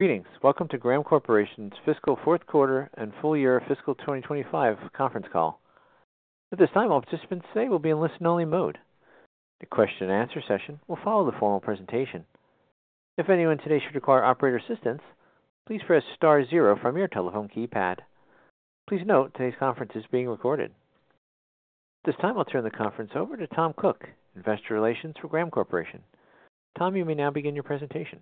Greetings. Welcome to Graham Corporation's fiscal fourth quarter and full year fiscal 2025 conference call. At this time, all participants today will be in listen-only mode. The question-and-answer session will follow the formal presentation. If anyone today should require operator assistance, please press star zero from your telephone keypad. Please note today's conference is being recorded. At this time, I'll turn the conference over to Tom Cook, Investor Relations for Graham Corporation. Tom, you may now begin your presentation.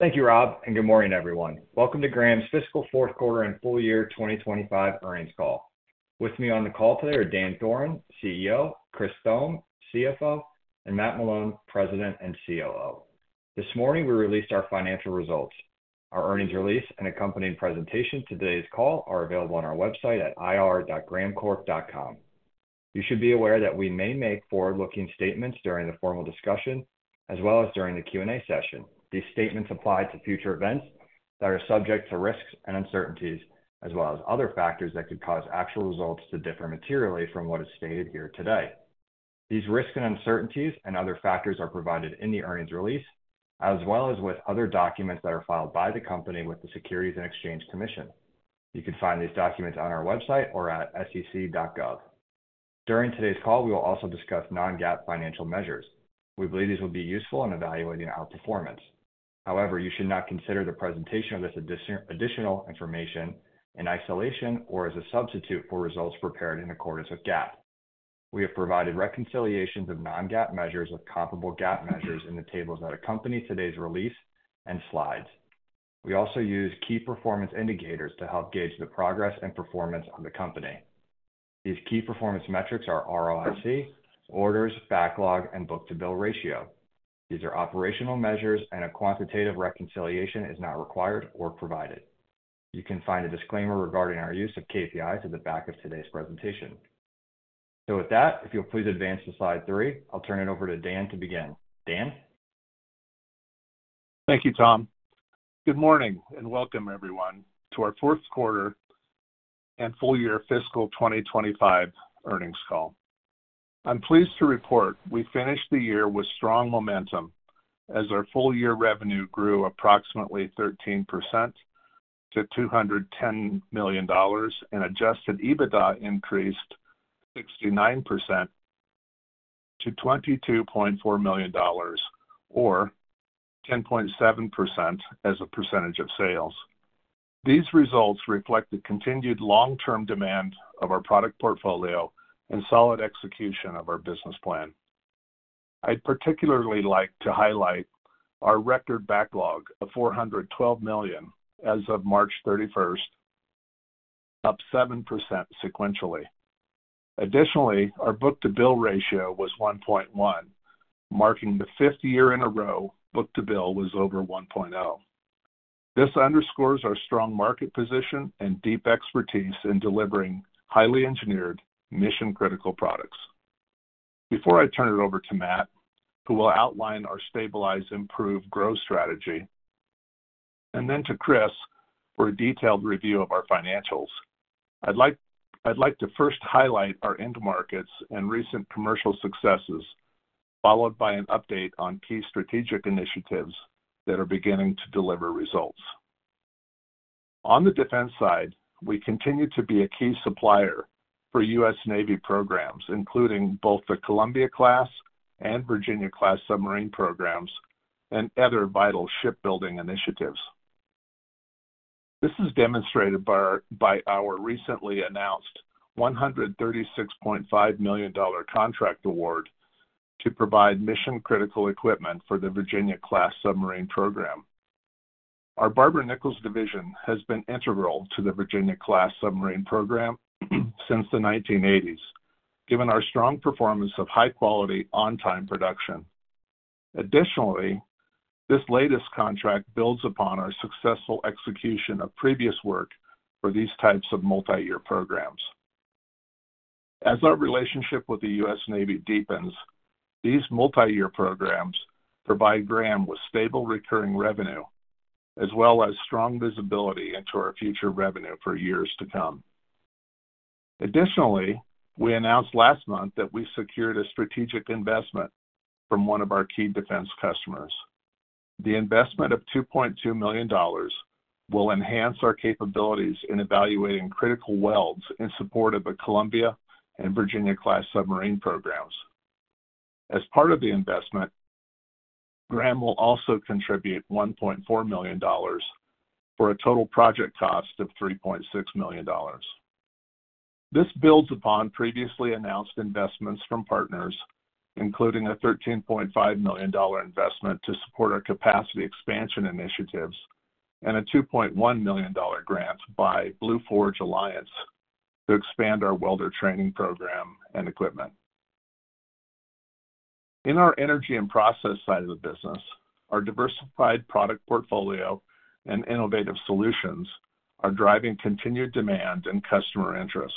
Thank you, Rob, and good morning, everyone. Welcome to Graham's fiscal fourth quarter and full year 2025 earnings call. With me on the call today are Dan Thoren, CEO; Chris Thome, CFO; and Matt Malone, President and COO. This morning, we released our financial results. Our earnings release and accompanying presentation to today's call are available on our website at ir.grahamcorp.com. You should be aware that we may make forward-looking statements during the formal discussion as well as during the Q&A session. These statements apply to future events that are subject to risks and uncertainties, as well as other factors that could cause actual results to differ materially from what is stated here today. These risks and uncertainties and other factors are provided in the earnings release, as well as with other documents that are filed by the company with the Securities and Exchange Commission. You can find these documents on our website or at sec.gov. During today's call, we will also discuss non-GAAP financial measures. We believe these will be useful in evaluating our performance. However, you should not consider the presentation of this additional information in isolation or as a substitute for results prepared in accordance with GAAP. We have provided reconciliations of non-GAAP measures with comparable GAAP measures in the tables that accompany today's release and slides. We also use key performance indicators to help gauge the progress and performance of the company. These key performance metrics are ROIC, orders, backlog, and book-to-bill ratio. These are operational measures, and a quantitative reconciliation is not required or provided. You can find a disclaimer regarding our use of KPIs at the back of today's presentation. If you'll please advance to slide three, I'll turn it over to Dan to begin. Dan? Thank you, Tom. Good morning and welcome, everyone, to our fourth quarter and full year fiscal 2025 earnings call. I'm pleased to report we finished the year with strong momentum as our full year revenue grew approximately 13% to $210 million and adjusted EBITDA increased 69% to $22.4 million or 10.7% as a percentage of sales. These results reflect the continued long-term demand of our product portfolio and solid execution of our business plan. I'd particularly like to highlight our record backlog of $412 million as of March 31, up 7% sequentially. Additionally, our book-to-bill ratio was 1.1, marking the fifth year in a row book-to-bill was over 1.0. This underscores our strong market position and deep expertise in delivering highly engineered, mission-critical products. Before I turn it over to Matt, who will outline our stabilized, improved growth strategy, and then to Chris for a detailed review of our financials, I'd like to first highlight our end markets and recent commercial successes, followed by an update on key strategic initiatives that are beginning to deliver results. On the defense side, we continue to be a key supplier for U.S. Navy programs, including both the Columbia-class and Virginia-class submarine programs and other vital shipbuilding initiatives. This is demonstrated by our recently announced $136.5 million contract award to provide mission-critical equipment for the Virginia-class submarine program. Our Barber-Nichols division has been integral to the Virginia-class submarine program since the 1980s, given our strong performance of high-quality, on-time production. Additionally, this latest contract builds upon our successful execution of previous work for these types of multi-year programs. As our relationship with the U.S. Navy deepens, these multi-year programs provide Graham with stable, recurring revenue, as well as strong visibility into our future revenue for years to come. Additionally, we announced last month that we secured a strategic investment from one of our key defense customers. The investment of $2.2 million will enhance our capabilities in evaluating critical welds in support of the Columbia and Virginia-class submarine programs. As part of the investment, Graham will also contribute $1.4 million for a total project cost of $3.6 million. This builds upon previously announced investments from partners, including a $13.5 million investment to support our capacity expansion initiatives and a $2.1 million grant by Blue Forge Alliance to expand our welder training program and equipment. In our energy and process side of the business, our diversified product portfolio and innovative solutions are driving continued demand and customer interest.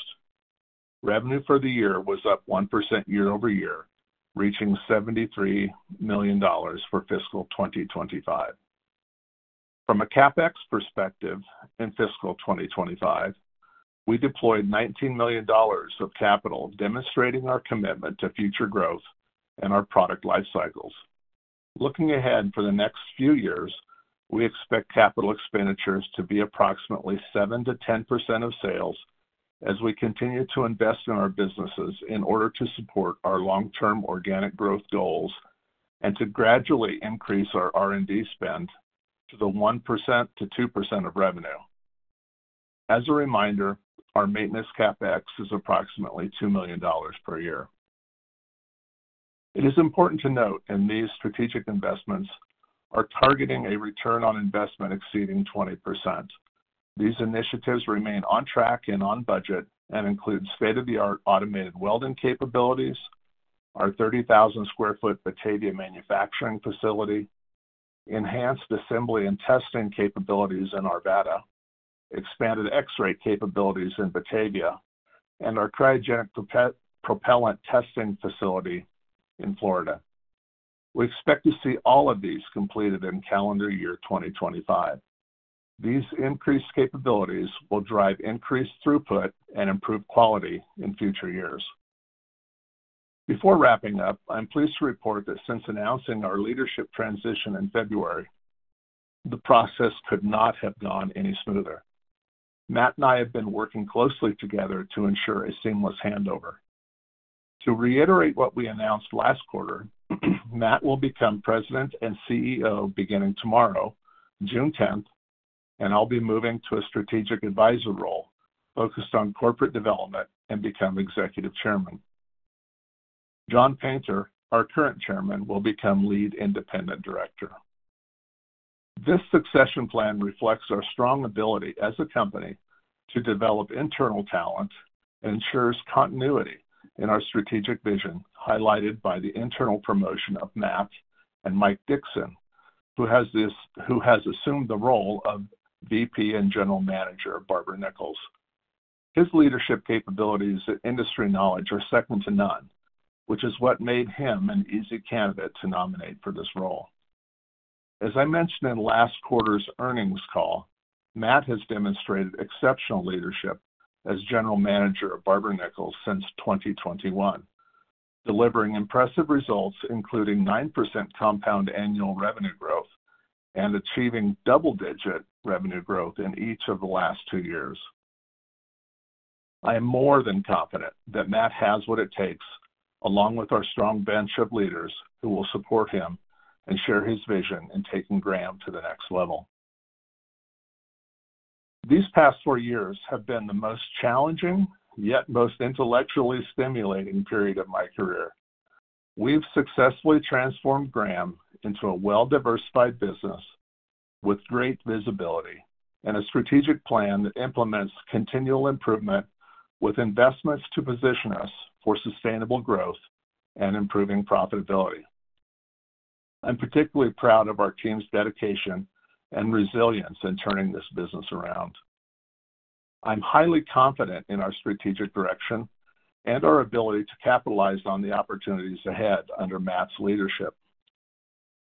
Revenue for the year was up 1% year over year, reaching $73 million for fiscal 2025. From a CapEx perspective in fiscal 2025, we deployed $19 million of capital, demonstrating our commitment to future growth and our product life cycles. Looking ahead for the next few years, we expect capital expenditures to be approximately 7%-10% of sales as we continue to invest in our businesses in order to support our long-term organic growth goals and to gradually increase our R&D spend to the 1%-2% of revenue. As a reminder, our maintenance CapEx is approximately $2 million per year. It is important to note that these strategic investments are targeting a return on investment exceeding 20%. These initiatives remain on track and on budget and include state-of-the-art automated welding capabilities, our 30,000 sq ft Batavia manufacturing facility, enhanced assembly and testing capabilities in Arvada, expanded X-ray capabilities in Batavia, and our cryogenic propellant testing facility in Florida. We expect to see all of these completed in calendar year 2025. These increased capabilities will drive increased throughput and improve quality in future years. Before wrapping up, I'm pleased to report that since announcing our leadership transition in February, the process could not have gone any smoother. Matt and I have been working closely together to ensure a seamless handover. To reiterate what we announced last quarter, Matt will become President and CEO beginning tomorrow, June 10th, and I'll be moving to a strategic advisor role focused on corporate development and become Executive Chairman. John Painter, our current Chairman, will become Lead Independent Director. This succession plan reflects our strong ability as a company to develop internal talent and ensures continuity in our strategic vision highlighted by the internal promotion of Matt and Mike Dixon, who has assumed the role of VP and General Manager, Barber-Nichols. His leadership capabilities and industry knowledge are second to none, which is what made him an easy candidate to nominate for this role. As I mentioned in last quarter's earnings call, Matt has demonstrated exceptional leadership as General Manager of Barber-Nichols since 2021, delivering impressive results, including 9% compound annual revenue growth and achieving double-digit revenue growth in each of the last two years. I am more than confident that Matt has what it takes, along with our strong bench of leaders who will support him and share his vision in taking Graham to the next level. These past four years have been the most challenging, yet most intellectually stimulating period of my career. We've successfully transformed Graham into a well-diversified business with great visibility and a strategic plan that implements continual improvement with investments to position us for sustainable growth and improving profitability. I'm particularly proud of our team's dedication and resilience in turning this business around. I'm highly confident in our strategic direction and our ability to capitalize on the opportunities ahead under Matt's leadership.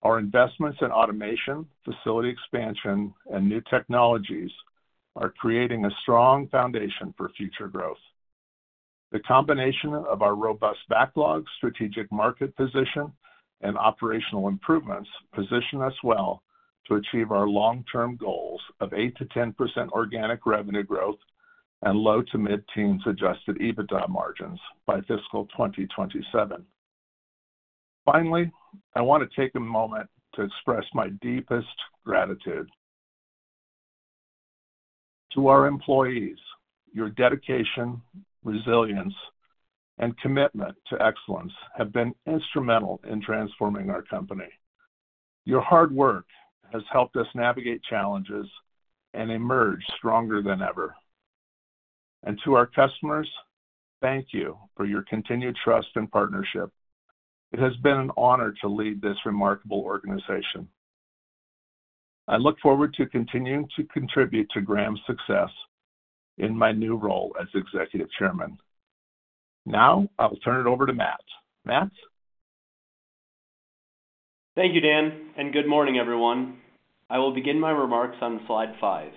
Our investments in automation, facility expansion, and new technologies are creating a strong foundation for future growth. The combination of our robust backlog, strategic market position, and operational improvements positions us well to achieve our long-term goals of 8%-10% organic revenue growth and low to mid-teens adjusted EBITDA margins by fiscal 2027. Finally, I want to take a moment to express my deepest gratitude to our employees. Your dedication, resilience, and commitment to excellence have been instrumental in transforming our company. Your hard work has helped us navigate challenges and emerge stronger than ever. To our customers, thank you for your continued trust and partnership. It has been an honor to lead this remarkable organization. I look forward to continuing to contribute to Graham's success in my new role as Executive Chairman. Now, I'll turn it over to Matt. Matt? Thank you, Dan, and good morning, everyone. I will begin my remarks on slide five.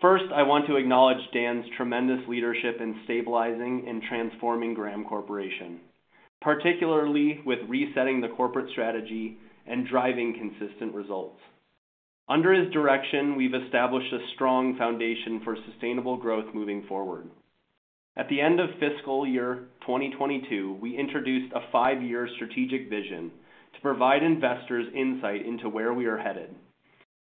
First, I want to acknowledge Dan's tremendous leadership in stabilizing and transforming Graham Corporation, particularly with resetting the corporate strategy and driving consistent results. Under his direction, we've established a strong foundation for sustainable growth moving forward. At the end of fiscal year 2022, we introduced a five-year strategic vision to provide investors insight into where we are headed.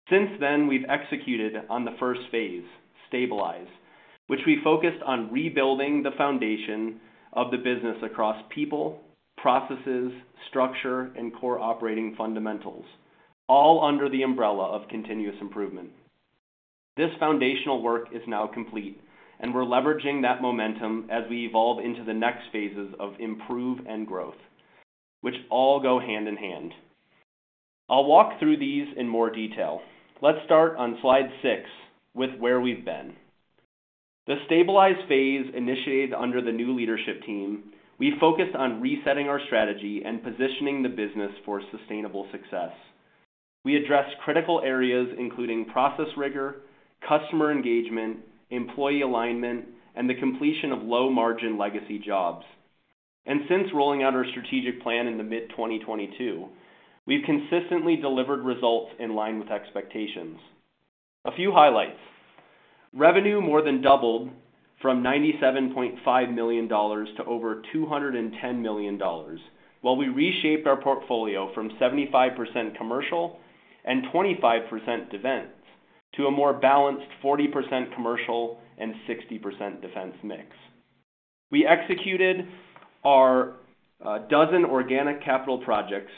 Since then, we've executed on the first phase, stabilize, which we focused on rebuilding the foundation of the business across people, processes, structure, and core operating fundamentals, all under the umbrella of continuous improvement. This foundational work is now complete, and we're leveraging that momentum as we evolve into the next phases of improve and growth, which all go hand in hand. I'll walk through these in more detail. Let's start on slide six with where we've been. The stabilize phase initiated under the new leadership team, we focused on resetting our strategy and positioning the business for sustainable success. We addressed critical areas including process rigor, customer engagement, employee alignment, and the completion of low-margin legacy jobs. Since rolling out our strategic plan in the mid-2022, we've consistently delivered results in line with expectations. A few highlights: revenue more than doubled from $97.5 million to over $210 million, while we reshaped our portfolio from 75% commercial and 25% defense to a more balanced 40% commercial and 60% defense mix. We executed our dozen organic capital projects,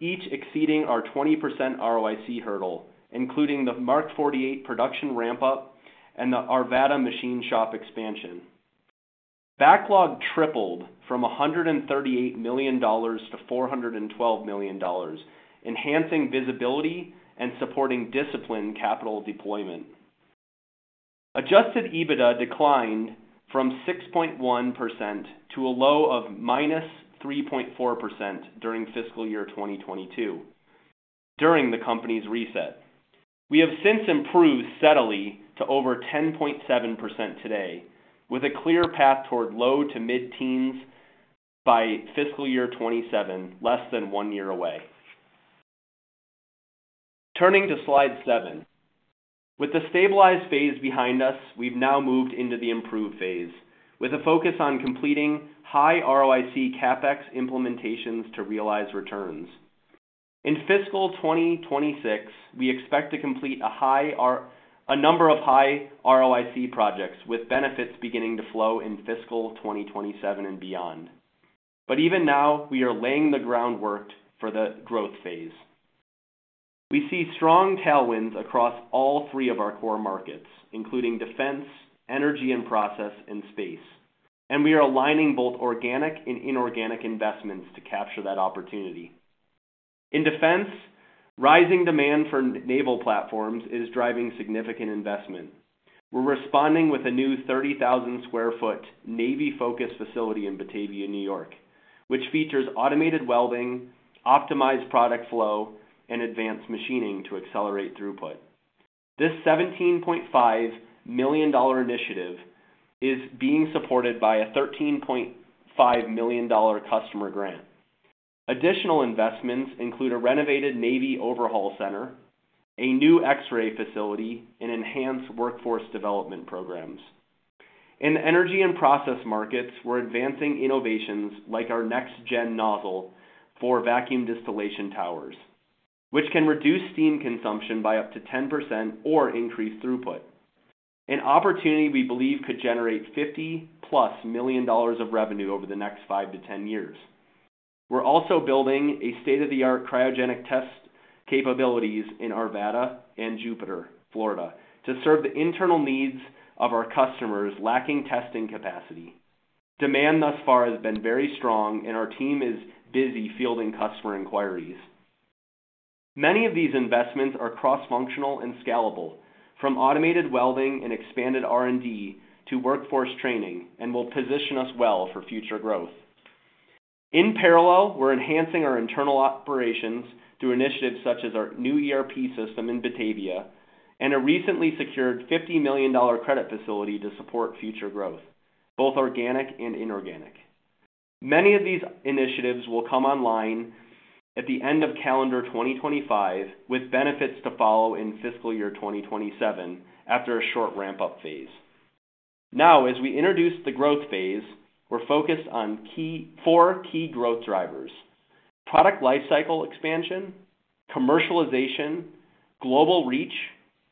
each exceeding our 20% ROIC hurdle, including the Mark 48 production ramp-up and the Arvada machine shop expansion. Backlog tripled from $138 million to $412 million, enhancing visibility and supporting disciplined capital deployment. Adjusted EBITDA declined from 6.1% to a low of -3.4% during fiscal year 2022 during the company's reset. We have since improved steadily to over 10.7% today, with a clear path toward low to mid-teens by fiscal year 2027, less than one year away. Turning to slide seven, with the stabilize phase behind us, we've now moved into the improve phase with a focus on completing high ROIC CapEx implementations to realize returns. In fiscal 2026, we expect to complete a number of high ROIC projects with benefits beginning to flow in fiscal 2027 and beyond. Even now, we are laying the groundwork for the growth phase. We see strong tailwinds across all three of our core markets, including defense, energy, and process in space, and we are aligning both organic and inorganic investments to capture that opportunity. In defense, rising demand for naval platforms is driving significant investment. We're responding with a new 30,000 sq ft Navy-focused facility in Batavia, New York, which features automated welding, optimized product flow, and advanced machining to accelerate throughput. This $17.5 million initiative is being supported by a $13.5 million customer grant. Additional investments include a renovated Navy overhaul center, a new X-ray facility, and enhanced workforce development programs. In energy and process markets, we're advancing innovations like our next-gen nozzle for vacuum distillation towers, which can reduce steam consumption by up to 10% or increase throughput, an opportunity we believe could generate $50+ million of revenue over the next 5-10 years. We're also building state-of-the-art cryogenic test capabilities in Arvada and Jupiter, Florida, to serve the internal needs of our customers lacking testing capacity. Demand thus far has been very strong, and our team is busy fielding customer inquiries. Many of these investments are cross-functional and scalable, from automated welding and expanded R&D to workforce training, and will position us well for future growth. In parallel, we're enhancing our internal operations through initiatives such as our new ERP system in Batavia and a recently secured $50 million credit facility to support future growth, both organic and inorganic. Many of these initiatives will come online at the end of calendar 2025, with benefits to follow in fiscal year 2027 after a short ramp-up phase. Now, as we introduce the growth phase, we're focused on four key growth drivers: product lifecycle expansion, commercialization, global reach,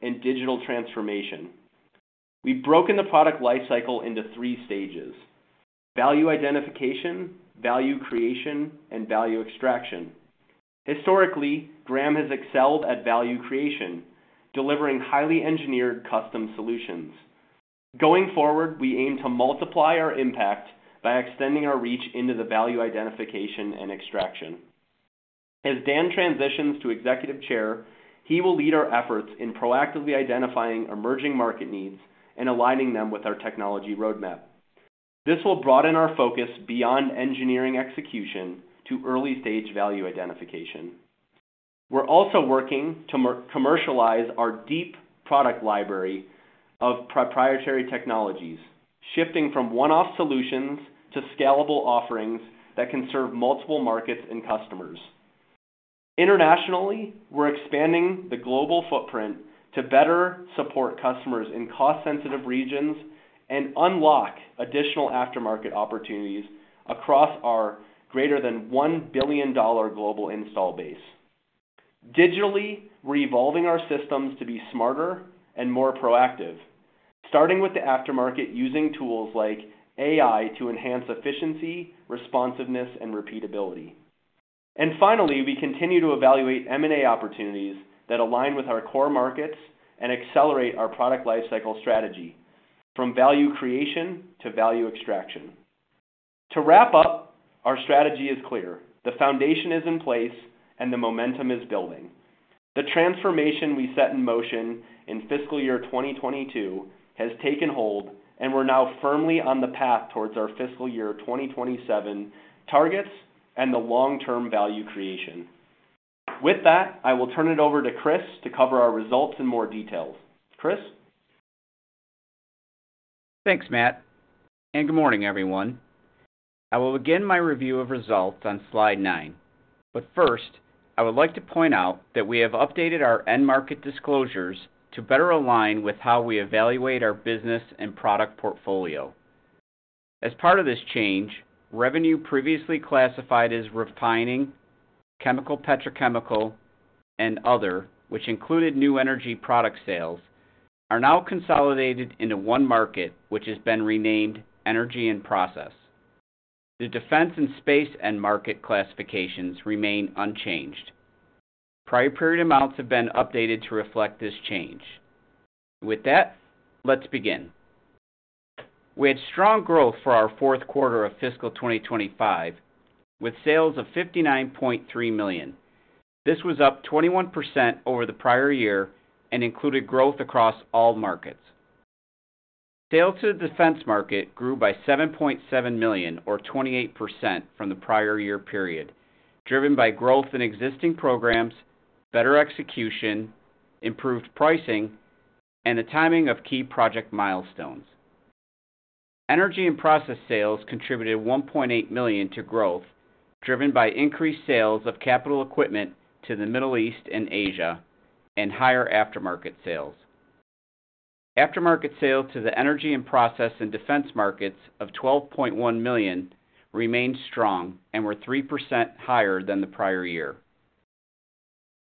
and digital transformation. We've broken the product lifecycle into three stages: value identification, value creation, and value extraction. Historically, Graham has excelled at value creation, delivering highly engineered custom solutions. Going forward, we aim to multiply our impact by extending our reach into the value identification and extraction. As Dan transitions to Executive Chair, he will lead our efforts in proactively identifying emerging market needs and aligning them with our technology roadmap. This will broaden our focus beyond engineering execution to early-stage value identification. We're also working to commercialize our deep product library of proprietary technologies, shifting from one-off solutions to scalable offerings that can serve multiple markets and customers. Internationally, we're expanding the global footprint to better support customers in cost-sensitive regions and unlock additional aftermarket opportunities across our greater than $1 billion global install base. Digitally, we're evolving our systems to be smarter and more proactive, starting with the aftermarket using tools like AI to enhance efficiency, responsiveness, and repeatability. Finally, we continue to evaluate M&A opportunities that align with our core markets and accelerate our product lifecycle strategy from value creation to value extraction. To wrap up, our strategy is clear. The foundation is in place, and the momentum is building. The transformation we set in motion in fiscal year 2022 has taken hold, and we're now firmly on the path towards our fiscal year 2027 targets and the long-term value creation. With that, I will turn it over to Chris to cover our results in more detail. Chris? Thanks, Matt. Good morning, everyone. I will begin my review of results on slide nine. First, I would like to point out that we have updated our end market disclosures to better align with how we evaluate our business and product portfolio. As part of this change, revenue previously classified as refining, chemical-petrochemical, and other, which included new energy product sales, are now consolidated into one market, which has been renamed energy and process. The defense and space end market classifications remain unchanged. Prior period amounts have been updated to reflect this change. With that, let's begin. We had strong growth for our fourth quarter of fiscal 2025, with sales of $59.3 million. This was up 21% over the prior year and included growth across all markets. Sales to the defense market grew by $7.7 million, or 28%, from the prior year period, driven by growth in existing programs, better execution, improved pricing, and the timing of key project milestones. Energy and process sales contributed $1.8 million to growth, driven by increased sales of capital equipment to the Middle East and Asia and higher aftermarket sales. Aftermarket sales to the energy and process and defense markets of $12.1 million remained strong and were 3% higher than the prior year.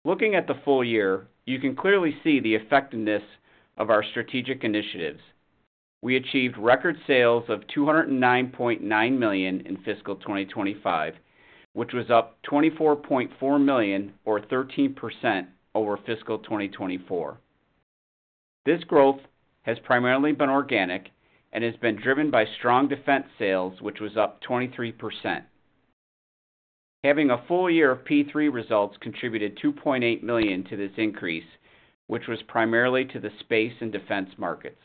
Looking at the full year, you can clearly see the effectiveness of our strategic initiatives. We achieved record sales of $209.9 million in fiscal 2025, which was up $24.4 million, or 13%, over fiscal 2024. This growth has primarily been organic and has been driven by strong defense sales, which was up 23%. Having a full year of P3 results contributed $2.8 million to this increase, which was primarily to the space and defense markets.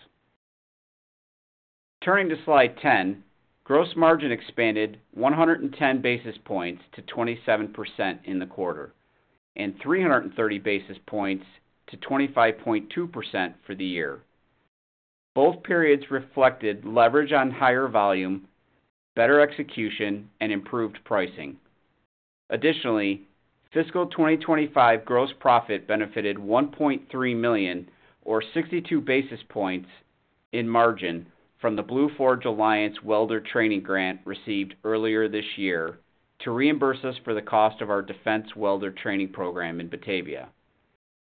Turning to slide 10, gross margin expanded 110 basis points to 27% in the quarter and 330 basis points to 25.2% for the year. Both periods reflected leverage on higher volume, better execution, and improved pricing. Additionally, fiscal 2025 gross profit benefited $1.3 million, or 62 basis points in margin, from the Blue Forge Alliance Welder Training Grant received earlier this year to reimburse us for the cost of our defense welder training program in Batavia.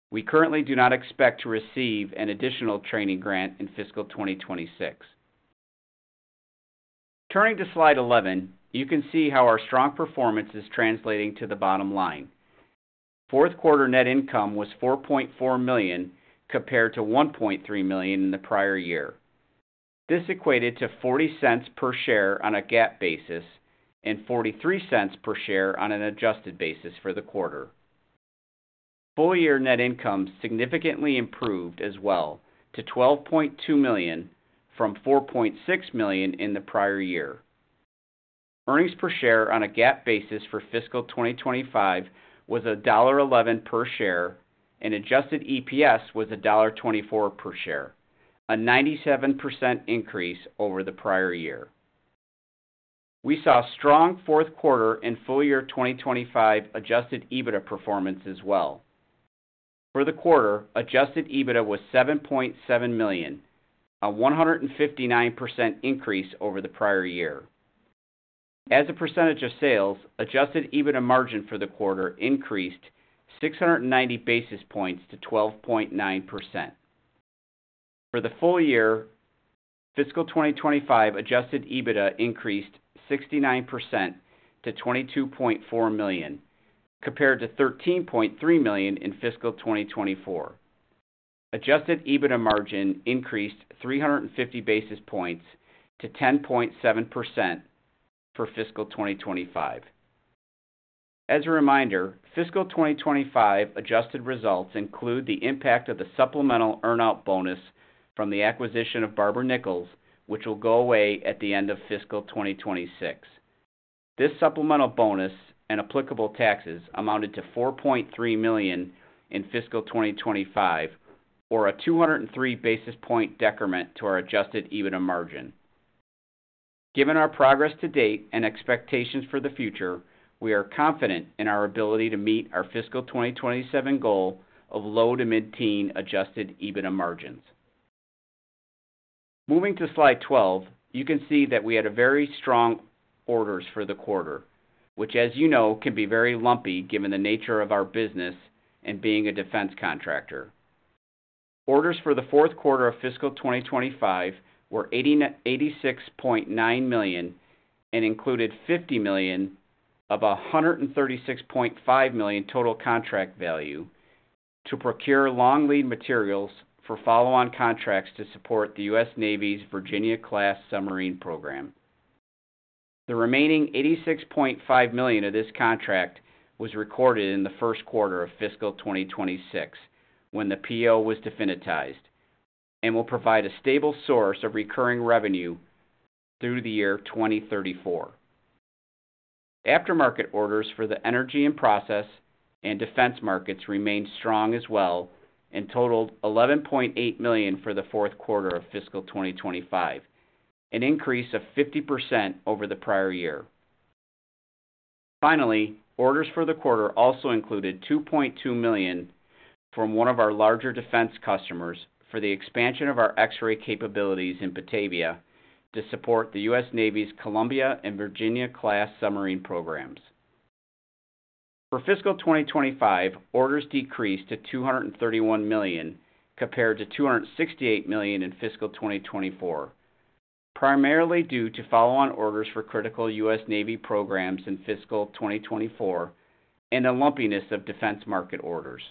We currently do not expect to receive an additional training grant in fiscal 2026. Turning to slide 11, you can see how our strong performance is translating to the bottom line. Fourth quarter net income was $4.4 million compared to $1.3 million in the prior year. This equated to $0.40 per share on a GAAP basis and $0.43 per share on an adjusted basis for the quarter. Full year net income significantly improved as well to $12.2 million from $4.6 million in the prior year. Earnings per share on a GAAP basis for fiscal 2025 was $1.11 per share, and adjusted EPS was $1.24 per share, a 97% increase over the prior year. We saw strong fourth quarter and full year 2025 adjusted EBITDA performance as well. For the quarter, adjusted EBITDA was $7.7 million, a 159% increase over the prior year. As a percentage of sales, adjusted EBITDA margin for the quarter increased 690 basis points to 12.9%. For the full year, fiscal 2025 adjusted EBITDA increased 69% to $22.4 million, compared to $13.3 million in fiscal 2024. Adjusted EBITDA margin increased 350 basis points to 10.7% for fiscal 2025. As a reminder, fiscal 2025 adjusted results include the impact of the supplemental earn-out bonus from the acquisition of Barber-Nichols, which will go away at the end of fiscal 2026. This supplemental bonus and applicable taxes amounted to $4.3 million in fiscal 2025, or a 203 basis point decrement to our adjusted EBITDA margin. Given our progress to date and expectations for the future, we are confident in our ability to meet our fiscal 2027 goal of low to mid-teen adjusted EBITDA margins. Moving to slide 12, you can see that we had very strong orders for the quarter, which, as you know, can be very lumpy given the nature of our business and being a defense contractor. Orders for the fourth quarter of fiscal 2025 were $86.9 million and included $50 million of $136.5 million total contract value to procure long lead materials for follow-on contracts to support the U.S. Navy's Virginia-class submarine program. The remaining $86.5 million of this contract was recorded in the first quarter of fiscal 2026 when the PO was definitized and will provide a stable source of recurring revenue through the year 2034. Aftermarket orders for the energy and process and defense markets remained strong as well and totaled $11.8 million for the fourth quarter of fiscal 2025, an increase of 50% over the prior year. Finally, orders for the quarter also included $2.2 million from one of our larger defense customers for the expansion of our X-ray capabilities in Batavia to support the U.S. Navy's Columbia and Virginia-class submarine programs. For fiscal 2025, orders decreased to $231 million compared to $268 million in fiscal 2024, primarily due to follow-on orders for critical U.S. Navy programs in fiscal 2024 and a lumpiness of defense market orders.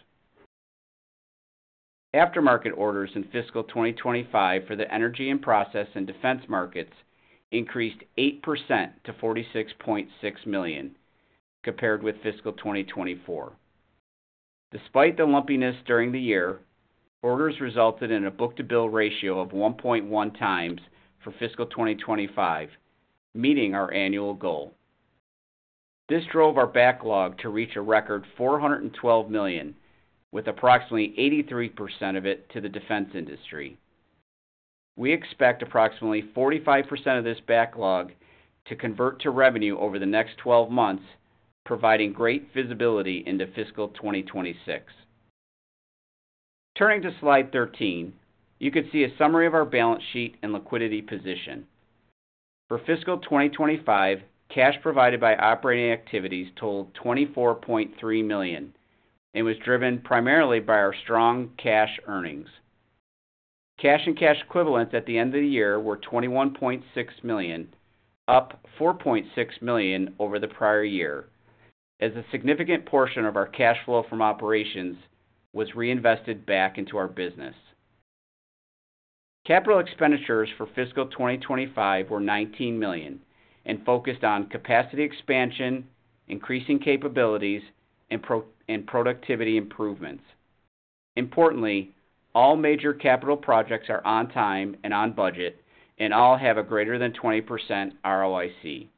Aftermarket orders in fiscal 2025 for the energy and process and defense markets increased 8% to $46.6 million compared with fiscal 2024. Despite the lumpiness during the year, orders resulted in a book-to-bill ratio of 1.1 times for fiscal 2025, meeting our annual goal. This drove our backlog to reach a record $412 million, with approximately 83% of it to the defense industry. We expect approximately 45% of this backlog to convert to revenue over the next 12 months, providing great visibility into fiscal 2026. Turning to slide 13, you can see a summary of our balance sheet and liquidity position. For fiscal 2025, cash provided by operating activities totaled $24.3 million and was driven primarily by our strong cash earnings. Cash and cash equivalents at the end of the year were $21.6 million, up $4.6 million over the prior year, as a significant portion of our cash flow from operations was reinvested back into our business. Capital expenditures for fiscal 2025 were $19 million and focused on capacity expansion, increasing capabilities, and productivity improvements. Importantly, all major capital projects are on time and on budget and all have a greater than 20% ROIC.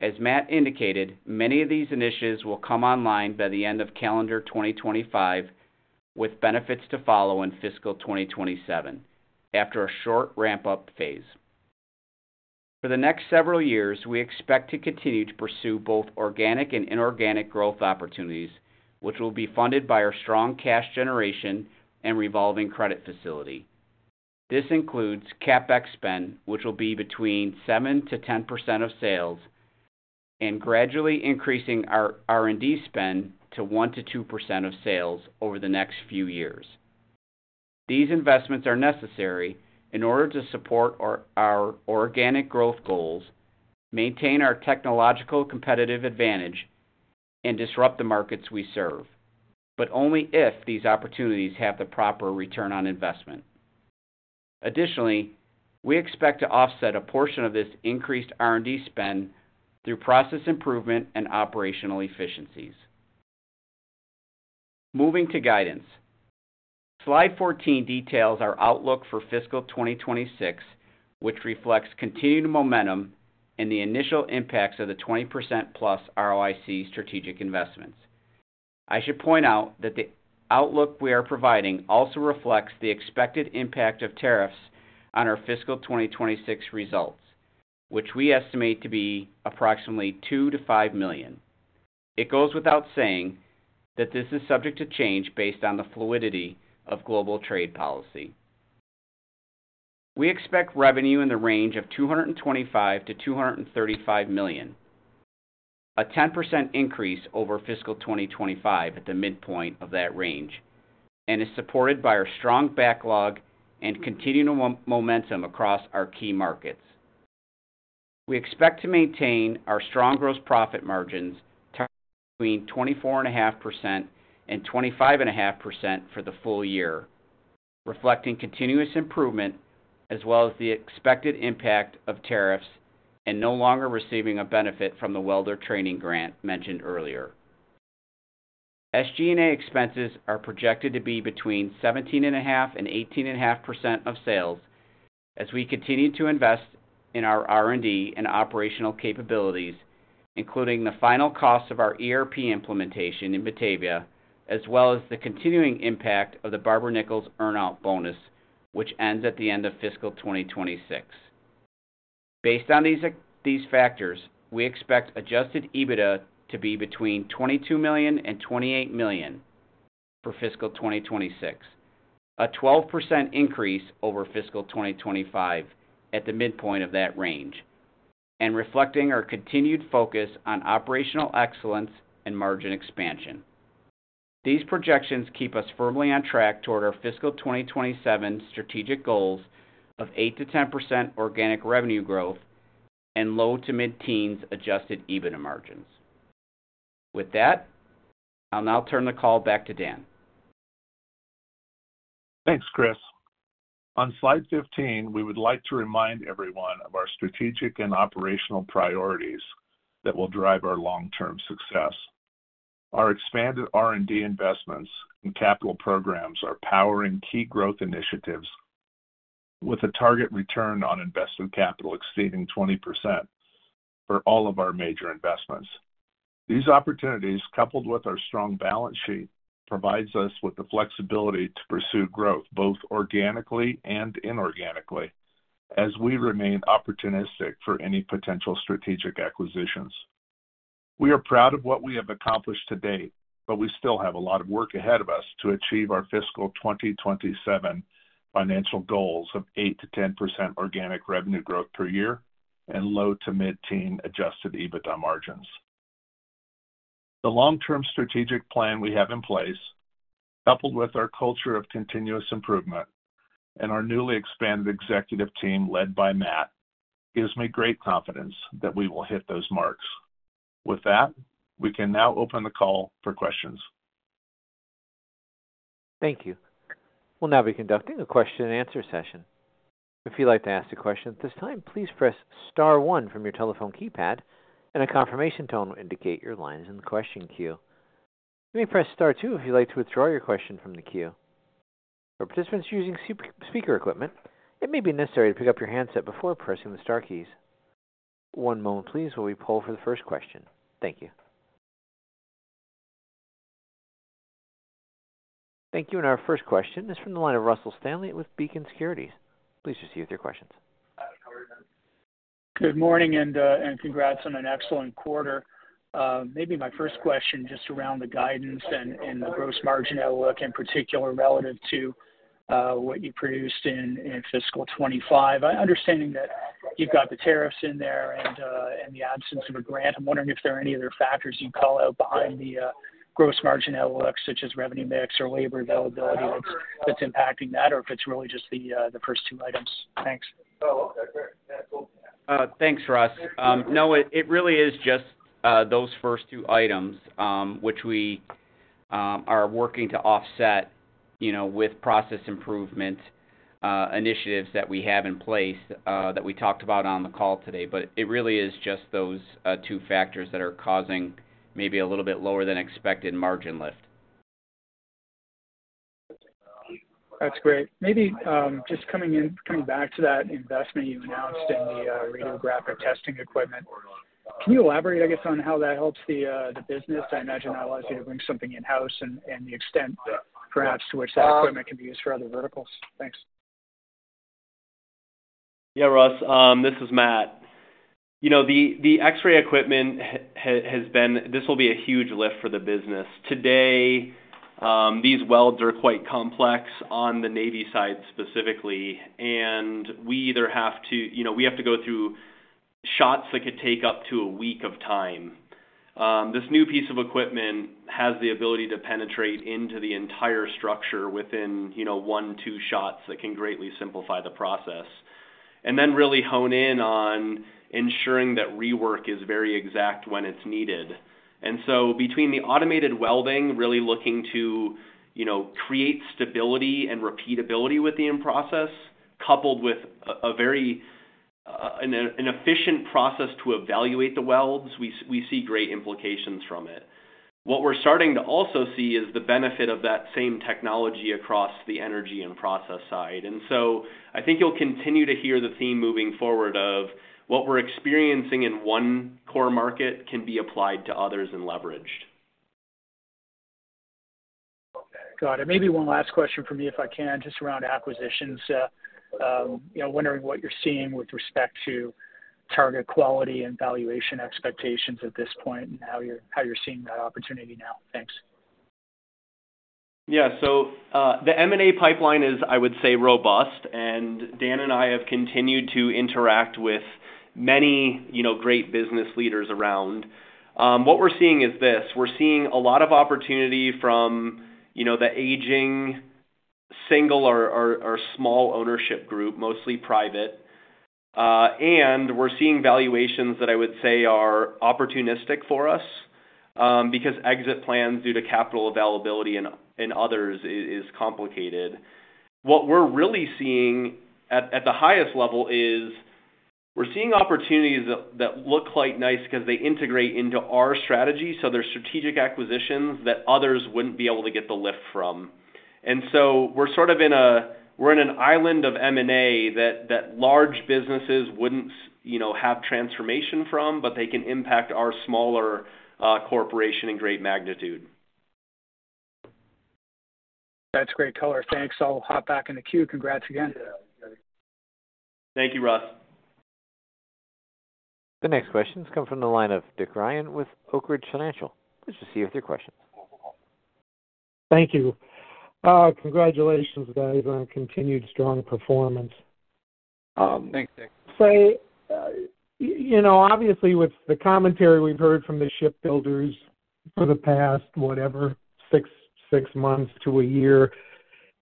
As Matt indicated, many of these initiatives will come online by the end of calendar 2025, with benefits to follow in fiscal 2027 after a short ramp-up phase. For the next several years, we expect to continue to pursue both organic and inorganic growth opportunities, which will be funded by our strong cash generation and revolving credit facility. This includes CapEx spend, which will be between 7%-10% of sales, and gradually increasing our R&D spend to 1%-2% of sales over the next few years. These investments are necessary in order to support our organic growth goals, maintain our technological competitive advantage, and disrupt the markets we serve, but only if these opportunities have the proper return on investment. Additionally, we expect to offset a portion of this increased R&D spend through process improvement and operational efficiencies. Moving to guidance, slide 14 details our outlook for fiscal 2026, which reflects continued momentum and the initial impacts of the 20%+ ROIC strategic investments. I should point out that the outlook we are providing also reflects the expected impact of tariffs on our fiscal 2026 results, which we estimate to be approximately $2 million-$5 million. It goes without saying that this is subject to change based on the fluidity of global trade policy. We expect revenue in the range of $225 million-$235 million, a 10% increase over fiscal 2025 at the midpoint of that range, and is supported by our strong backlog and continued momentum across our key markets. We expect to maintain our strong gross profit margins between 24.5%-25.5% for the full year, reflecting continuous improvement as well as the expected impact of tariffs and no longer receiving a benefit from the welder training grant mentioned earlier. SG&A expenses are projected to be between 17.5%-18.5% of sales as we continue to invest in our R&D and operational capabilities, including the final cost of our ERP implementation in Batavia, as well as the continuing impact of the Barber-Nichols earn-out bonus, which ends at the end of fiscal 2026. Based on these factors, we expect adjusted EBITDA to be between $22 million-$28 million for fiscal 2026, a 12% increase over fiscal 2025 at the midpoint of that range, and reflecting our continued focus on operational excellence and margin expansion. These projections keep us firmly on track toward our fiscal 2027 strategic goals of 8%-10% organic revenue growth and low to mid-teens adjusted EBITDA margins. With that, I'll now turn the call back to Dan. Thanks, Chris. On slide 15, we would like to remind everyone of our strategic and operational priorities that will drive our long-term success. Our expanded R&D investments and capital programs are powering key growth initiatives with a target return on invested capital exceeding 20% for all of our major investments. These opportunities, coupled with our strong balance sheet, provide us with the flexibility to pursue growth both organically and inorganically as we remain opportunistic for any potential strategic acquisitions. We are proud of what we have accomplished to date, but we still have a lot of work ahead of us to achieve our fiscal 2027 financial goals of 8%-10% organic revenue growth per year and low to mid-teen adjusted EBITDA margins. The long-term strategic plan we have in place, coupled with our culture of continuous improvement and our newly expanded executive team led by Matt, gives me great confidence that we will hit those marks. With that, we can now open the call for questions. Thank you. We'll now be conducting a question-and-answer session. If you'd like to ask a question at this time, please press star one from your telephone keypad, and a confirmation tone will indicate your line is in the question queue. You may press star two if you'd like to withdraw your question from the queue. For participants using speaker equipment, it may be necessary to pick up your handset before pressing the star keys. One moment, please, while we poll for the first question. Thank you. Thank you. Our first question is from the line of Russell Stanley with Beacon Securities. Please proceed with your questions. Good morning and congrats on an excellent quarter. Maybe my first question just around the guidance and the gross margin outlook in particular relative to what you produced in fiscal 2025. Understanding that you've got the tariffs in there and the absence of a grant, I'm wondering if there are any other factors you'd call out behind the gross margin outlook, such as revenue mix or labor availability, that's impacting that, or if it's really just the first two items. Thanks. Thanks, Russ. No, it really is just those first two items, which we are working to offset with process improvement initiatives that we have in place that we talked about on the call today. It really is just those two factors that are causing maybe a little bit lower than expected margin lift. That's great. Maybe just coming back to that investment you announced in the radiographic testing equipment, can you elaborate, I guess, on how that helps the business? I imagine that allows you to bring something in-house and the extent perhaps to which that equipment can be used for other verticals. Thanks. Yeah, Russ, this is Matt. The X-ray equipment has been—this will be a huge lift for the business. Today, these welds are quite complex on the Navy side specifically, and we either have to—we have to go through shots that could take up to a week of time. This new piece of equipment has the ability to penetrate into the entire structure within one, two shots that can greatly simplify the process and then really hone in on ensuring that rework is very exact when it's needed. Between the automated welding, really looking to create stability and repeatability with the end process, coupled with an efficient process to evaluate the welds, we see great implications from it. What we are starting to also see is the benefit of that same technology across the energy and process side. I think you will continue to hear the theme moving forward of what we are experiencing in one core market can be applied to others and leveraged. Got it. Maybe one last question for me, if I can, just around acquisitions. Wondering what you are seeing with respect to target quality and valuation expectations at this point and how you are seeing that opportunity now. Thanks. Yeah. The M&A pipeline is, I would say, robust, and Dan and I have continued to interact with many great business leaders around. What we're seeing is this: we're seeing a lot of opportunity from the aging single or small ownership group, mostly private, and we're seeing valuations that I would say are opportunistic for us because exit plans due to capital availability and others is complicated. What we're really seeing at the highest level is we're seeing opportunities that look quite nice because they integrate into our strategy. So they're strategic acquisitions that others wouldn't be able to get the lift from. And so we're sort of in a—we're in an island of M&A that large businesses wouldn't have transformation from, but they can impact our smaller corporation in great magnitude. That's great color. Thanks. I'll hop back in the queue. Congrats again. Thank you, Russ. The next question has come from the line of Dick Ryan with Oak Ridge Financial. Please proceed with your questions. Thank you. Congratulations, guys, on continued strong performance. Thanks, Dick. Obviously, with the commentary we've heard from the shipbuilders for the past, whatever, six months to a year,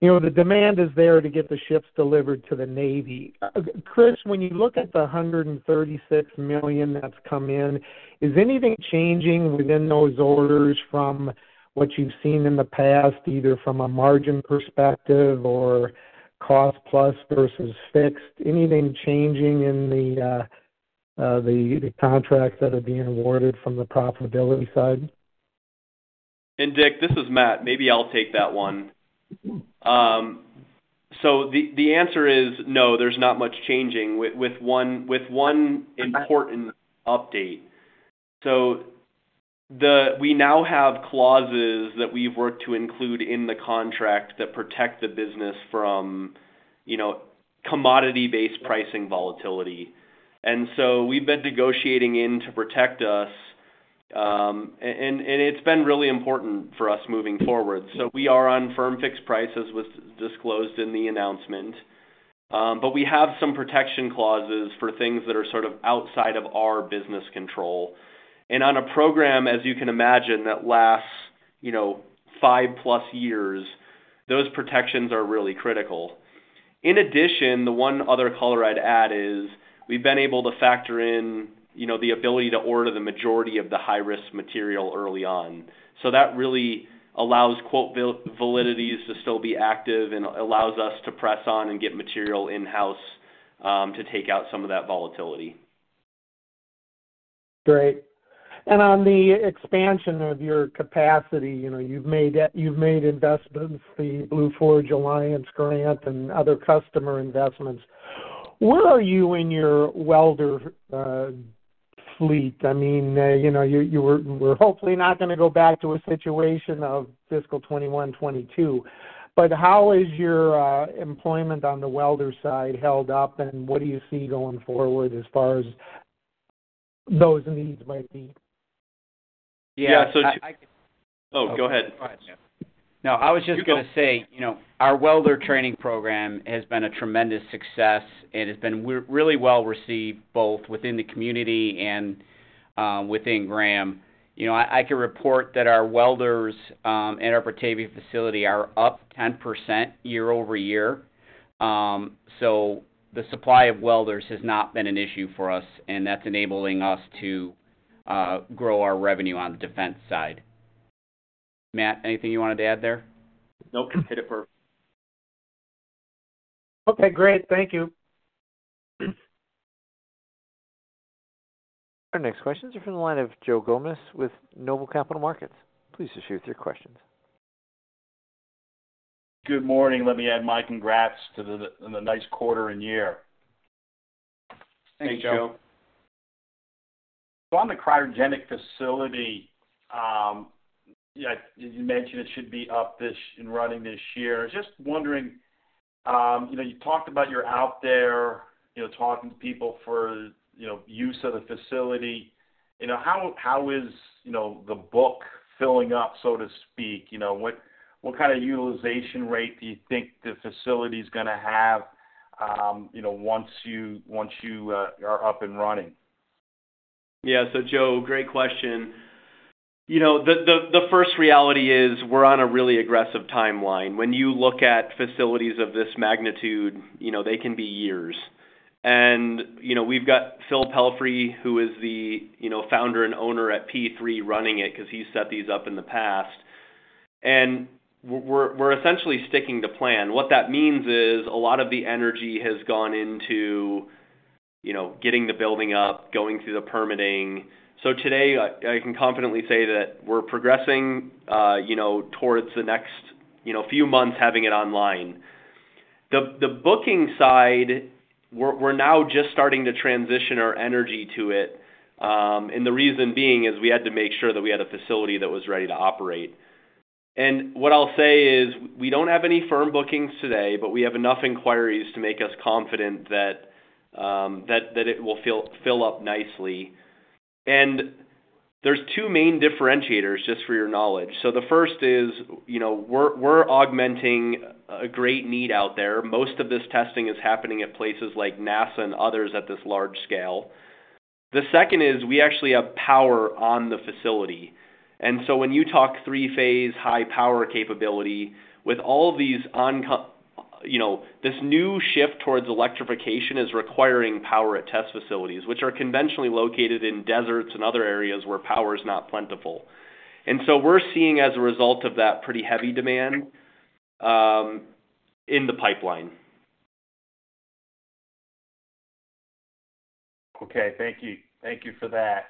the demand is there to get the ships delivered to the Navy. Chris, when you look at the $136 million that's come in, is anything changing within those orders from what you've seen in the past, either from a margin perspective or cost plus versus fixed? Anything changing in the contracts that are being awarded from the profitability side? Dick, this is Matt. Maybe I'll take that one. The answer is no, there's not much changing with one important update. We now have clauses that we've worked to include in the contract that protect the business from commodity-based pricing volatility. We've been negotiating in to protect us, and it's been really important for us moving forward. We are on firm fixed prices disclosed in the announcement, but we have some protection clauses for things that are sort of outside of our business control. On a program, as you can imagine, that lasts five plus years, those protections are really critical. In addition, the one other color I'd add is we've been able to factor in the ability to order the majority of the high-risk material early on. That really allows quote validities to still be active and allows us to press on and get material in-house to take out some of that volatility. Great. On the expansion of your capacity, you've made investments, the Blue Forge Alliance grant and other customer investments. Where are you in your welder fleet? I mean, we're hopefully not going to go back to a situation of fiscal 2021, 2022, but how is your employment on the welder side held up, and what do you see going forward as far as those needs might be? Yeah. Oh, go ahead. No, I was just going to say our welder training program has been a tremendous success. It has been really well received both within the community and within Graham. I can report that our welders in our Batavia facility are up 10% year over year. So the supply of welders has not been an issue for us, and that's enabling us to grow our revenue on the defense side. Matt, anything you wanted to add there? Nope. Hit it perfect. Okay. Great. Thank you. Our next questions are from the line of Joe Gomes with Noble Capital Markets. Please proceed with your questions. Good morning. Let me add my congrats to the nice quarter and year. Thanks, Joe. On the cryogenic facility, you mentioned it should be up and running this year. Just wondering, you talked about you're out there talking to people for use of the facility. How is the book filling up, so to speak? What kind of utilization rate do you think the facility is going to have once you are up and running? Yeah. Joe, great question. The first reality is we're on a really aggressive timeline. When you look at facilities of this magnitude, they can be years. We've got Phil Pelphrey, who is the founder and owner at P3 running it because he set these up in the past. We're essentially sticking to plan. What that means is a lot of the energy has gone into getting the building up, going through the permitting. Today, I can confidently say that we're progressing towards the next few months having it online. The booking side, we're now just starting to transition our energy to it. The reason being is we had to make sure that we had a facility that was ready to operate. What I'll say is we don't have any firm bookings today, but we have enough inquiries to make us confident that it will fill up nicely. There are two main differentiators, just for your knowledge. The first is we're augmenting a great need out there. Most of this testing is happening at places like NASA and others at this large scale. The second is we actually have power on the facility. When you talk three-phase high power capability with all of these oncoming, this new shift towards electrification is requiring power at test facilities, which are conventionally located in deserts and other areas where power is not plentiful. We are seeing, as a result of that, pretty heavy demand in the pipeline. Okay. Thank you. Thank you for that.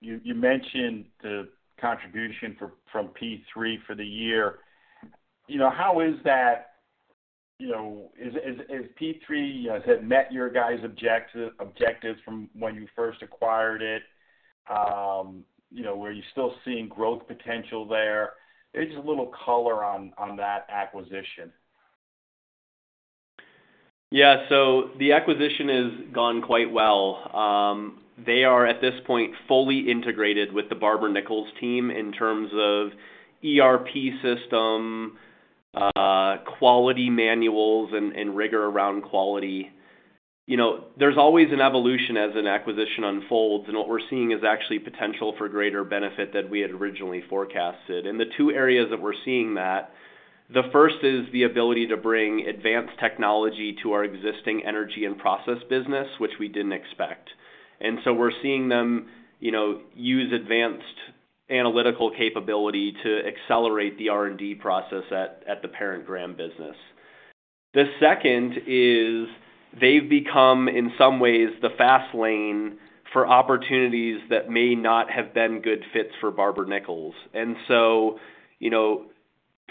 You mentioned the contribution from P3 for the year. How is that? Has P3 met your guys' objectives from when you first acquired it? Are you still seeing growth potential there? Maybe just a little color on that acquisition. Yeah. The acquisition has gone quite well. They are, at this point, fully integrated with the Barber-Nichols team in terms of ERP system, quality manuals, and rigor around quality. There's always an evolution as an acquisition unfolds, and what we're seeing is actually potential for greater benefit than we had originally forecasted. The two areas that we're seeing that, the first is the ability to bring advanced technology to our existing energy and process business, which we didn't expect. We're seeing them use advanced analytical capability to accelerate the R&D process at the parent Graham business. The second is they've become, in some ways, the fast lane for opportunities that may not have been good fits for Barber-Nichols.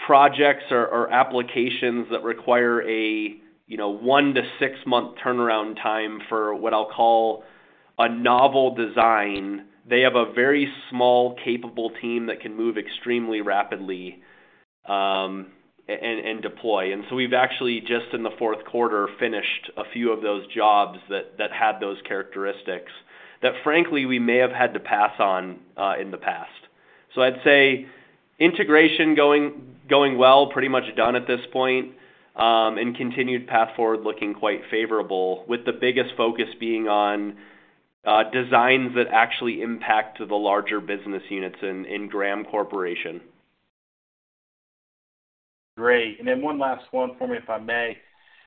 Projects or applications that require a one to six-month turnaround time for what I'll call a novel design, they have a very small, capable team that can move extremely rapidly and deploy. We have actually, just in the fourth quarter, finished a few of those jobs that had those characteristics that, frankly, we may have had to pass on in the past. I would say integration going well, pretty much done at this point, and continued path forward looking quite favorable, with the biggest focus being on designs that actually impact the larger business units in Graham Corporation. Great. One last one for me, if I may.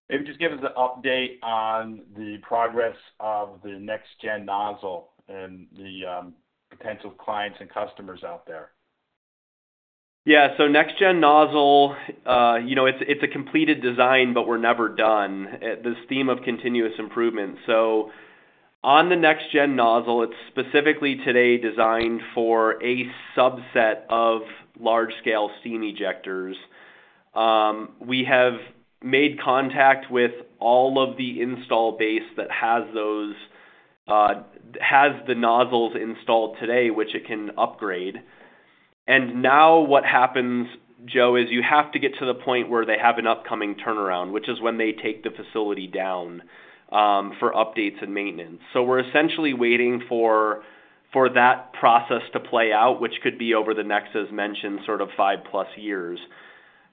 Maybe just give us an update on the progress of the next-gen nozzle and the potential clients and customers out there. Yeah. Next-gen nozzle, it is a completed design, but we are never done. This theme of continuous improvement. On the next-gen nozzle, it is specifically today designed for a subset of large-scale steam ejectors. We have made contact with all of the install base that has the nozzles installed today, which it can upgrade. Now what happens, Joe, is you have to get to the point where they have an upcoming turnaround, which is when they take the facility down for updates and maintenance. We are essentially waiting for that process to play out, which could be over the next, as mentioned, sort of five plus years.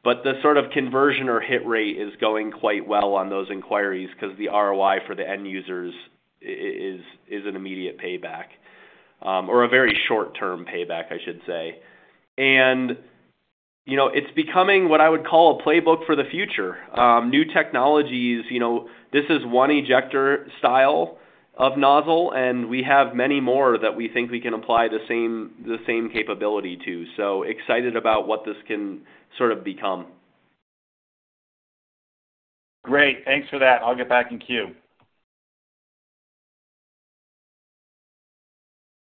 The sort of conversion or hit rate is going quite well on those inquiries because the ROI for the end users is an immediate payback or a very short-term payback, I should say. It is becoming what I would call a playbook for the future. New technologies, this is one ejector style of nozzle, and we have many more that we think we can apply the same capability to. So excited about what this can sort of become. Great. Thanks for that. I'll get back in queue.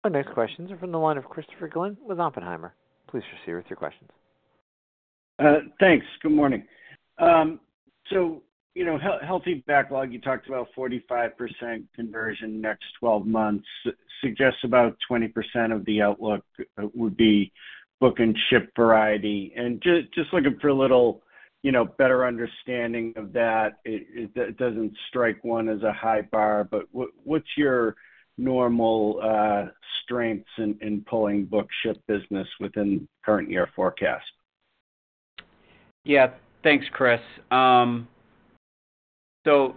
Our next questions are from the line of Christopher Glynn with Oppenheimer. Please proceed with your questions. Thanks. Good morning. So healthy backlog, you talked about 45% conversion in the next 12 months, suggests about 20% of the outlook would be book and ship variety. And just looking for a little better understanding of that, it does not strike one as a high bar, but what's your normal strengths in pulling book-ship business within current year forecast? Yeah. Thanks, Chris. So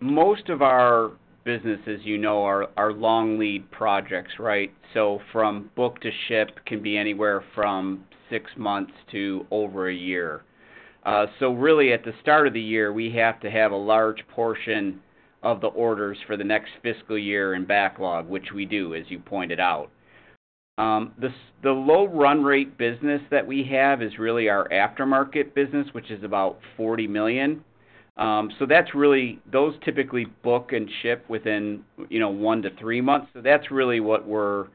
most of our businesses, you know, are long lead projects, right? So from book to ship can be anywhere from six months to over a year. Really, at the start of the year, we have to have a large portion of the orders for the next fiscal year in backlog, which we do, as you pointed out. The low run rate business that we have is really our aftermarket business, which is about $40 million. Those typically book and ship within one to three months. That is really what we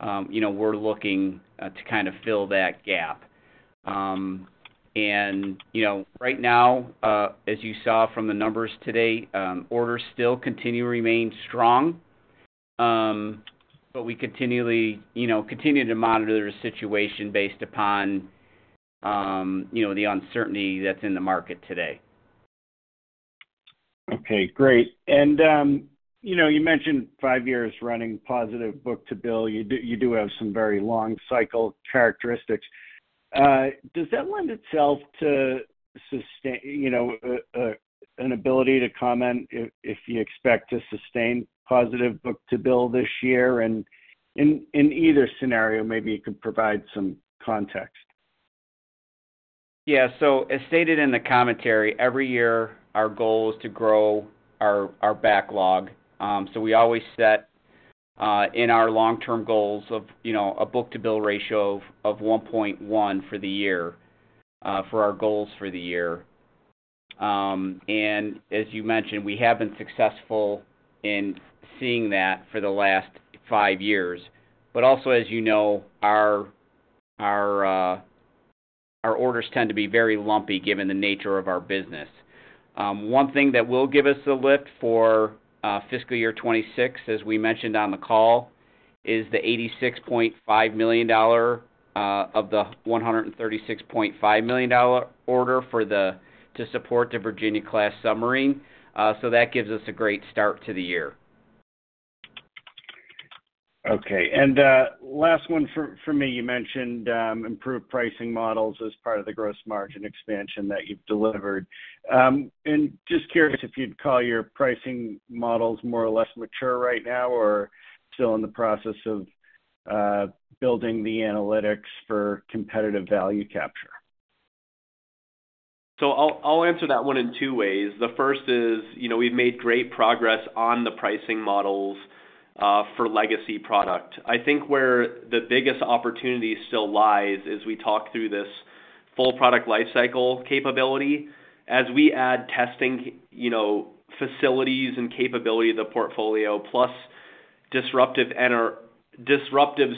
are looking to kind of fill that gap. Right now, as you saw from the numbers today, orders still continue to remain strong, but we continue to monitor the situation based upon the uncertainty that is in the market today. Okay. Great. You mentioned five years running positive book-to-bill. You do have some very long-cycle characteristics. Does that lend itself to an ability to comment if you expect to sustain positive book-to-bill this year? In either scenario, maybe you could provide some context. Yeah. As stated in the commentary, every year, our goal is to grow our backlog. We always set in our long-term goals a book-to-bill ratio of 1.1 for the year for our goals for the year. As you mentioned, we have been successful in seeing that for the last five years. Also, as you know, our orders tend to be very lumpy given the nature of our business. One thing that will give us a lift for fiscal year 2026, as we mentioned on the call, is the $86.5 million of the $136.5 million order to support the Virginia-class submarine. That gives us a great start to the year. Okay. Last one for me, you mentioned improved pricing models as part of the gross margin expansion that you've delivered. Just curious if you'd call your pricing models more or less mature right now or still in the process of building the analytics for competitive value capture. I'll answer that one in two ways. The first is we've made great progress on the pricing models for legacy product. I think where the biggest opportunity still lies is we talk through this full product lifecycle capability. As we add testing facilities and capability to the portfolio, plus disruptive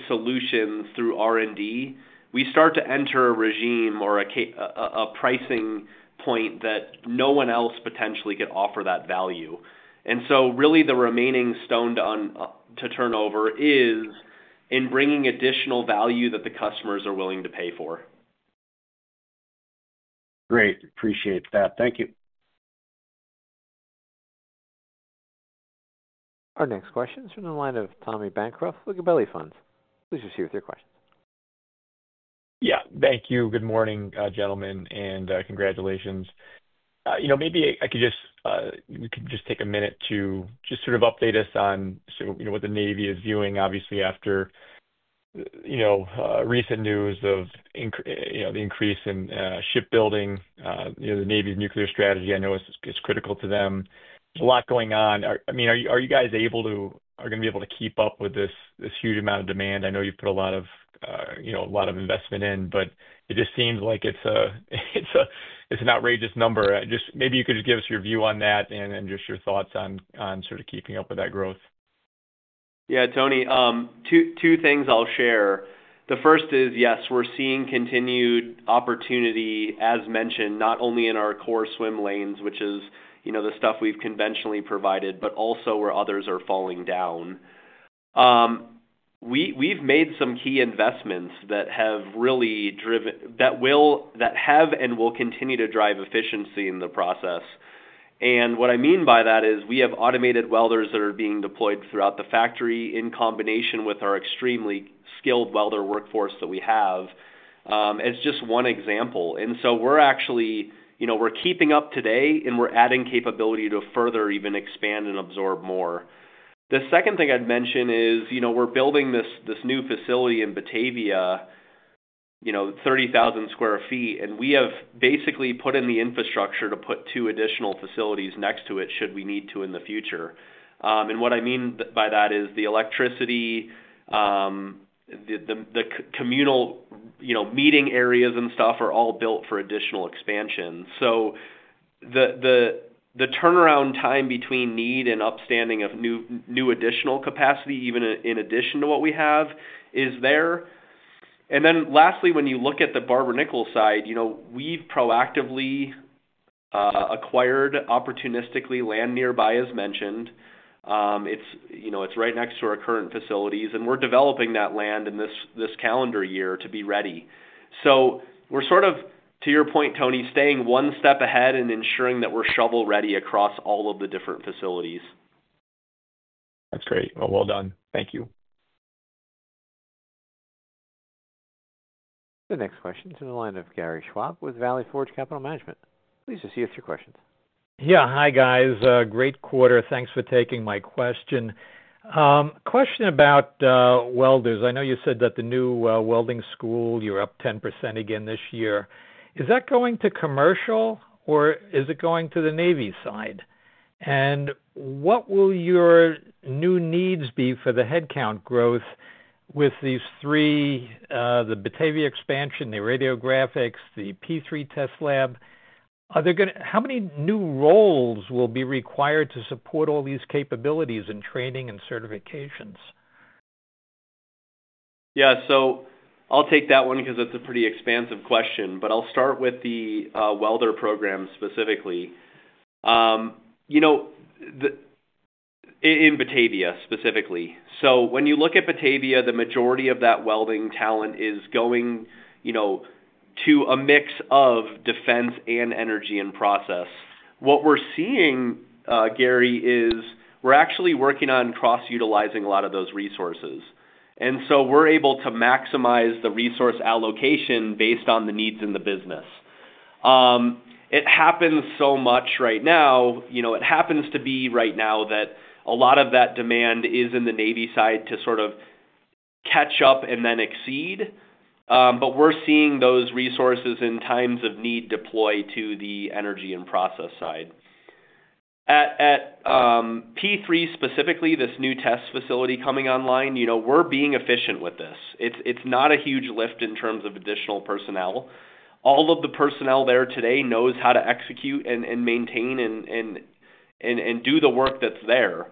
solutions through R&D, we start to enter a regime or a pricing point that no one else potentially could offer that value. Really, the remaining stone to turn over is in bringing additional value that the customers are willing to pay for. Great. Appreciate that. Thank yo Our next question is from the line of Tony Bancroft with Gabelli Funds. Please proceed with your questions. Yeah. Thank you. Good morning, gentlemen, and congratulations. Maybe I could just, we could just take a minute to just sort of update us on what the Navy is viewing, obviously, after recent news of the increase in shipbuilding. The Navy's nuclear strategy, I know, is critical to them. There's a lot going on. I mean, are you guys able to, are going to be able to keep up with this huge amount of demand? I know you've put a lot of investment in, but it just seems like it's an outrageous number. Maybe you could just give us your view on that and just your thoughts on sort of keeping up with that growth. Yeah, Tony, two things I'll share. The first is, yes, we're seeing continued opportunity, as mentioned, not only in our core swim lanes, which is the stuff we've conventionally provided, but also where others are falling down. have made some key investments that have really driven, that have and will continue to drive, efficiency in the process. What I mean by that is we have automated welders that are being deployed throughout the factory in combination with our extremely skilled welder workforce that we have. It is just one example. We are actually keeping up today, and we are adding capability to further even expand and absorb more. The second thing I would mention is we are building this new facility in Batavia, 30,000 sq ft, and we have basically put in the infrastructure to put two additional facilities next to it should we need to in the future. What I mean by that is the electricity, the communal meeting areas and stuff are all built for additional expansion. The turnaround time between need and upstanding of new additional capacity, even in addition to what we have, is there. Lastly, when you look at the Barber-Nichols side, we've proactively acquired opportunistically land nearby, as mentioned. It's right next to our current facilities, and we're developing that land in this calendar year to be ready. We're sort of, to your point, Tony, staying one step ahead and ensuring that we're shovel-ready across all of the different facilities. That's great. Well done. Thank you. The next question is from the line of Gary Schwab with Valley Forge Capital Management. Please proceed with your questions. Yeah. Hi, guys. Great quarter. Thanks for taking my question. Question about welders. I know you said that the new welding school, you're up 10% again this year. Is that going to commercial, or is it going to the Navy side? What will your new needs be for the headcount growth with these three, the Batavia expansion, the radiographics, the P3 test lab? How many new roles will be required to support all these capabilities and training and certifications? Yeah. I'll take that one because it's a pretty expansive question, but I'll start with the welder program specifically in Batavia. When you look at Batavia, the majority of that welding talent is going to a mix of defense and energy and process. What we're seeing, Gary, is we're actually working on cross-utilizing a lot of those resources. We're able to maximize the resource allocation based on the needs in the business. It happens to be right now that a lot of that demand is in the Navy side to sort of catch up and then exceed. We're seeing those resources in times of need deploy to the energy and process side. At P3 specifically, this new test facility coming online, we're being efficient with this. It's not a huge lift in terms of additional personnel. All of the personnel there today knows how to execute and maintain and do the work that's there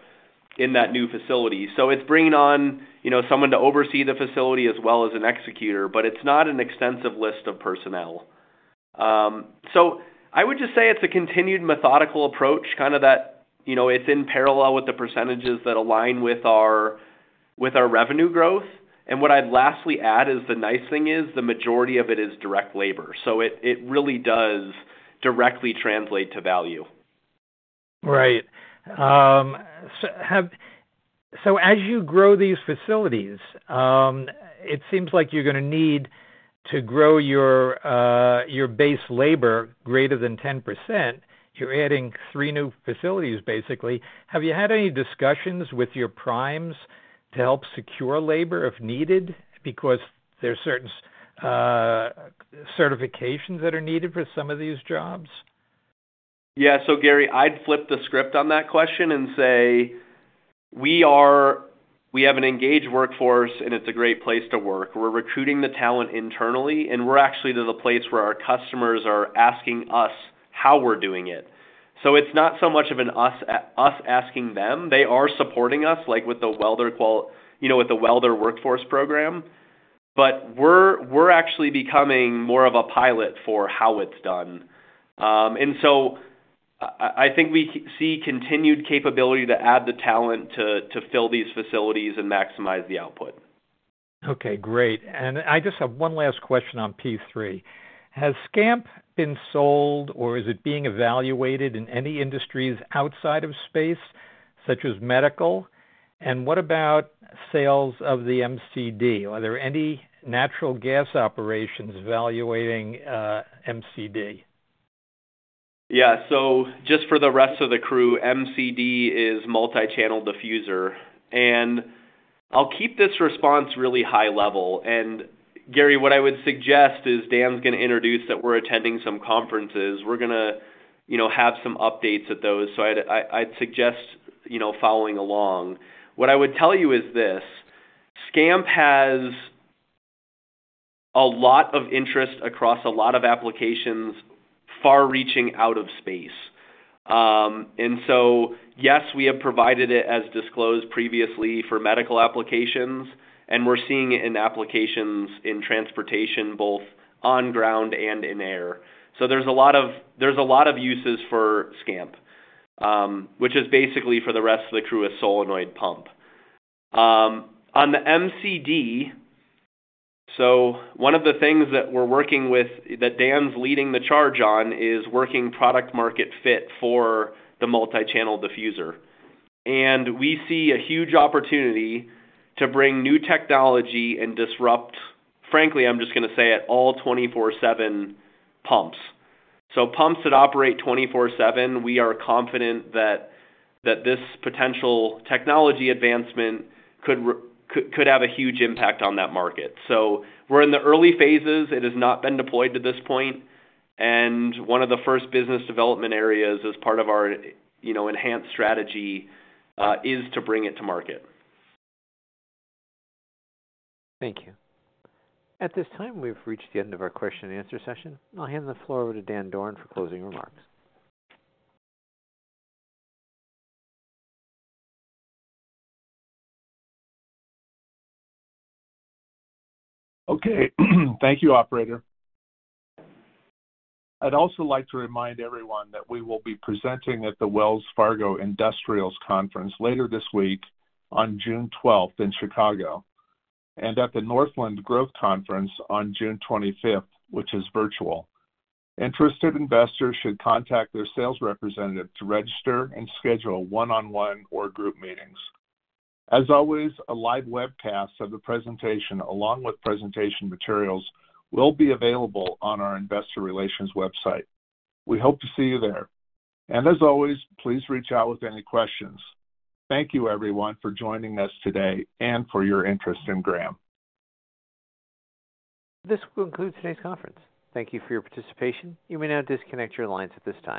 in that new facility. It's bringing on someone to oversee the facility as well as an executor, but it's not an extensive list of personnel. I would just say it's a continued methodical approach, kind of that it's in parallel with the percentages that align with our revenue growth. What I'd lastly add is the nice thing is the majority of it is direct labor. It really does directly translate to value. Right. As you grow these facilities, it seems like you're going to need to grow your base labor greater than 10%. You're adding three new facilities, basically. Have you had any discussions with your primes to help secure labor if needed because there are certain certifications that are needed for some of these jobs? Yeah. Gary, I'd flip the script on that question and say we have an engaged workforce, and it's a great place to work. We're recruiting the talent internally, and we're actually to the place where our customers are asking us how we're doing it. It's not so much of us asking them. They are supporting us like with the welder workforce program, but we're actually becoming more of a pilot for how it's done. I think we see continued capability to add the talent to fill these facilities and maximize the output. Okay. Great. I just have one last question on P3. Has SCAMP been sold, or is it being evaluated in any industries outside of space, such as medical? What about sales of the MCD? Are there any natural gas operations evaluating MCD? Yeah. Just for the rest of the crew, MCD is multi-channel diffuser. I'll keep this response really high level. Gary, what I would suggest is Dan's going to introduce that we're attending some conferences. We're going to have some updates at those. I'd suggest following along. What I would tell you is this: SCAMP has a lot of interest across a lot of applications far reaching out of space. Yes, we have provided it as disclosed previously for medical applications, and we're seeing it in applications in transportation, both on ground and in air. There are a lot of uses for SCAMP, which is basically for the rest of the crew, a solenoid pump. On the MCD, one of the things that we're working with that Dan's leading the charge on is working product-market fit for the multi-channel diffuser. We see a huge opportunity to bring new technology and disrupt, frankly, I'm just going to say it, all 24/7 pumps. Pumps that operate 24/7, we are confident that this potential technology advancement could have a huge impact on that market. We're in the early phases. It has not been deployed to this point. One of the first business development areas as part of our enhanced strategy is to bring it to market. Thank you. At this time, we've reached the end of our question-and-answer session. I'll hand the floor over to Dan Thoren for closing remarks. Okay. Thank you, operator. I'd also like to remind everyone that we will be presenting at the Wells Fargo Industrials Conference later this week on June 12th in Chicago and at the Northland Growth Conference on June 25th, which is virtual. Interested investors should contact their sales representative to register and schedule one-on-one or group meetings. As always, a live webcast of the presentation along with presentation materials will be available on our investor relations website. We hope to see you there. As always, please reach out with any questions. Thank you, everyone, for joining us today and for your interest in Graham. This concludes today's conference. Thank you for your participation. You may now disconnect your lines at this time.